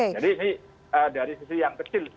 jadi ini dari sisi yang kecil